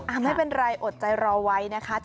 อาจจะเป็นไรอดใจรอไว้นะคะ